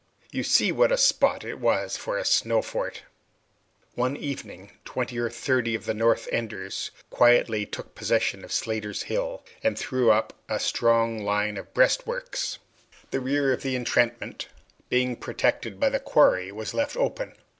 You see what a spot it was for a snow fort. One evening twenty or thirty of the North Enders quietly took possession of Slatter's Hill, and threw up a strong line of breastworks, something after this shape: (Ft Slatter graphic) The rear of the entrenchment, being protected by the quarry, was left open.